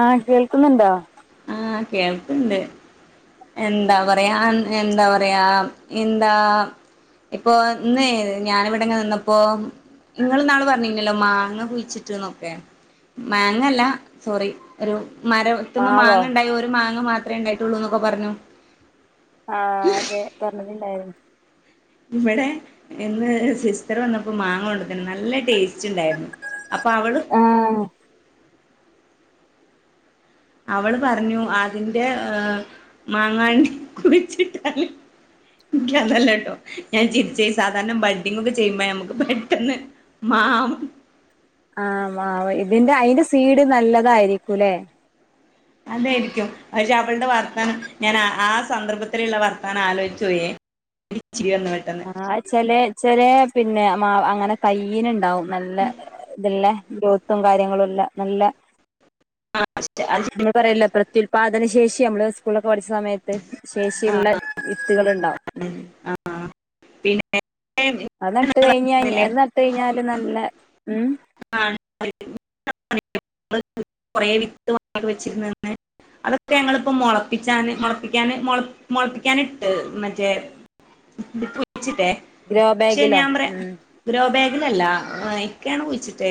ആ കേൾക്ക്ന്ന്ണ്ടോ ആഹ് കേൾക്കിണ്ട്, എന്താ പറയാ, എന്താ പറയാ, എന്താ ഇപ്പൊ ഇന്ന് ഞാനിവടെ ഇങ്ങനെ നിന്നപ്പോ, ഇങ്ങൾ ഇന്നാള് പറഞ്ഞിരുന്നല്ലോ, മാങ്ങ കുഴിച്ചിട്ട്ന്നൊക്കെ മേങ്ങല്ല സോറി ഒരു മര ത്തിമ്മേ മാവോ മാങ്ങ മാങ്ങ മാത്രേ ഉണ്ടായിട്ടുള്ളൂന്നൊക്കെ പറഞ്ഞു ആഹ് അതെ പറഞ്ഞിട്ടിണ്ടായിരുന്നു. ഇവടെ ഇന്ന് സിസ്റ്ററ് വന്നപ്പോ മാങ്ങ കൊണ്ടെ തന്നു നല്ല ടേസ്റ്റ് റ്റിണ്ടായിരുന്നു അപ്പൊ അവള് ആഹ് അവള് പറഞ്ഞു അതിന്റെ ഏഹ് മാങ്ങാണ്ടി കുഴിച്ചിട്ടാല് [unintelligible] ന്നല്ലാട്ടോ ഞാൻ ചിരിച്ചെ സാധാരണ ബഡ്ഡിങ് ഒക്കെ ചെയ്യുമ്പൊയാ നമുക്ക് പെട്ടെന്ന് മാം ആ മാവ് ഇതിന്റെ അതിന്റെ സീഡ് നല്ലതായിരിക്കുലേ അതായിരിക്കും പഷേ അവൾടെ വർത്താനം ഞാൻ ആ ആ സന്ദർഭത്തിലിള്ള വർത്താനം ആലോയിച്ചു പോയേ. ചിരി വന്നു പെട്ടെന്ന് ആഹ് ചെലെ ചെലേ പിന്നെ മാവ് അങ്ങനെ കയ്യിനിണ്ടാവും നല്ല ഇതിള്ളേ ഗ്രോത്തും കാര്യങ്ങളും എല്ലാം നല്ല ആ നമ്മൾ പറയുവല്ലൊ പ്രത്യുല്പാദന ശേഷി നമ്മള് സ്കൂൾളൊക്കെ പഠിച്ച സമയത്ത് ആ ശേഷിയുള്ള ട്ടികളുണ്ടാവും ഉം ആ പിന്നെ അത് നട്ട് കഴിഞ്ഞാ അത് നട്ട് കഴിഞ്ഞാല് നല്ല ഉം ആഹ് [unintelligible] കൊറേ വിത്ത് വെച്ചിരുന്ന്ന്നെ അതൊക്കെ ഞങ്ങളിപ്പോ മൊളപ്പിച്ചാന് മുളപ്പിക്കാന് മുളപ്പിക്കാനിട്ട് മറ്റേ ച്ചിട്ടേ ഗ്രോ പക്ഷെ ബാഗിലോ ഞാൻ പറയാം ഉം ഗ്രോ ബാഗ് അല്ലല്ല ഇക്കയാണ് കുഴിച് തേ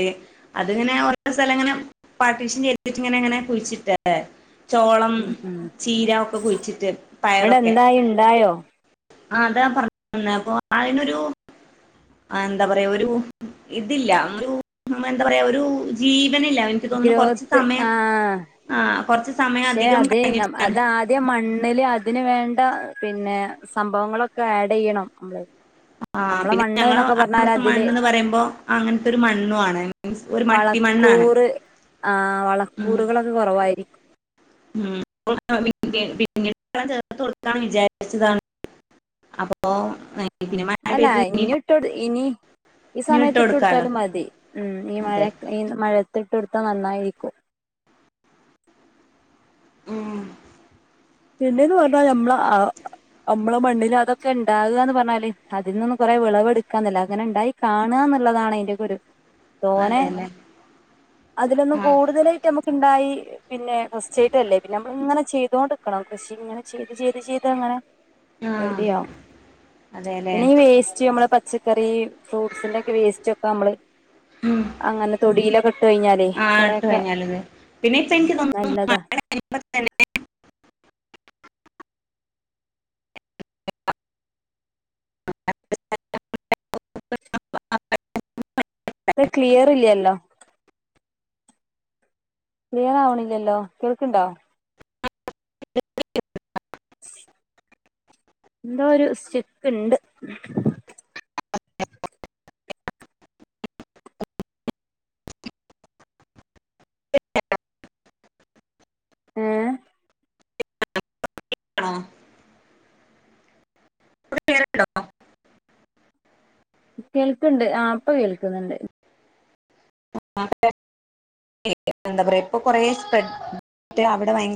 അതിങ്ങനെ ഓരോ സ്ഥലം ഇങ്ങനെ പാർട്ടീഷൻ ചെയ്തിട്ട് ഇങ്ങനെ കുഴിച്ചിട്ടേരെ ചോളം ഉം ഉം ചീര ഒക്കെ കുഴിച്ചിട്ട് അവിടെ പയറൊക്കെ എന്തായി ഉണ്ടായോ ആ അതാ പറഞ്ഞെന്നെ അപ്പൊ അതിനൊരു ആഹ് എന്താ പറയാ ഒരു ഇതില്ല ഒരു മ്ഹ് എന്തപറയാ ഒരു ജീവ് വനില്ല എനിക്ക് തോന്നുന്നു കൊറച്ച് ഗ്രോത്ത് സമയം ആഹ് കൊറച്ച് ക്ഷെ അതെ അതാദ്യ മണ്ണ് അല്ലെ അതിന് വേണ്ട പിന്നെ സംഭവങ്ങളൊക്കെ ആഡ് ചെയ്യണം നമ്മള് ആഹ് നമ്മളെ പിന്നെ മണ്ണ് ഞങ്ങള് എന്നൊക്കെ പറഞ്ഞാൽ അവിടത്തെ അതില് മണ്ണ്ന്ന് പറയുമ്പോ അങ്ങനത്തെ ഒരു മണ്ണു ആണ് മീൻസ് ഒരു മട്ടിമണ്ണാണ് വളക്കൂറ് ആ ഉം വളക്കൂറുകളൊക്കെ കുറവായിരിക്കും [unintelligible] ചേർത്തു കൊടുക്കാം വിചാരിച്ചതാണ് അവ അല്ല ഇനിവിട്ട്കൊട് ഇനി ഇ ഇനി സമയത്ത് ഇട്ട് കൊടുക്കാലോ കൊടുത്താലും മതി ഉം ഈ അതെ മഴക് ഈ മഴത് ത്തിട്ടൊടുത്ത നന്നായിരിക്കും ഉം പിന്നെന്ന് പറഞ്ഞ ഞമ്മള ഞമ്മള മണ്ണില് അതൊക്കെ ഉണ്ടാകുകന്ന് പറഞ്ഞാല് അതിൽന്ന് കുറെ വിളവെടുക്കാന്നില്ല അങ്ങനെ ഉണ്ടായി കാണുകന്നുള്ളതാണ് അതിന്റെയൊക്കെ ഒരു തോനെ അതെല്ലേ അതിലൊന്നും ആഹ് കൂടുതലായിട്ട് നമുക്ക് ഉണ്ടായി പിന്നെ ഫസ്റ്റായിട്ടല്ലേ പിന്നെ നമ്മൾ ഇങ്ങനെ ചെയ്തോണ്ട് ക്കണം കൃഷി ഇങ്ങനെ ചെയ്ത് ചെയ്ത് ചെയ്ത് അങ്ങനെ ആഹ് റെഡിയാവും അതെല്ലേ പിന്നെ ഈ വേസ്റ്റ് നമ്മള പച്ചക്കറി ഫ്രൂട്ട്സിന്റെ ഒക്കെ വേസ്റ്റ് ഒക്കെ നമ്മള് അങ്ങനെ തൊടിയിലൊക്കെ ഇട്ട് കഴിഞ്ഞാലേ ആ ഇട്ട് കൊറെയൊക്കെ കഴിഞ്ഞാാല അേ പിന്നെ ഇപ്പ എനിക്ക് തോന്നും നല്ലതാ ബല്ല [inaudible] ഇ ക്ലിയർ ഇല്ലല്ലോ ക്ലിയർ വണില്ലല്ലോ കേൾക്കണ്ടോ [unintelligible] എന്തോ ഒരു സ്റ്റക്ക് ഉണ്ട് [unintelligible] ആഹ ആണോ ണോ കേൾക്കണ്ട് ആ അപ്പൊ കേൾക്കുന്നുണ്ട് എന്താ പറയാ ഇപ്പൊ കൊറെ സ്പ്രഡ അവിടെ